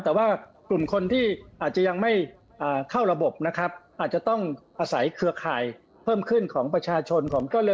แต่ว่ากลุ่มคนที่อาจจะยังไม่เข้าระบบนะครับอาจจะต้องอาศัยเครือข่ายเพิ่มขึ้นของประชาชนของก็เลย